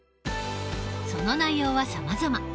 その内容はさまざま。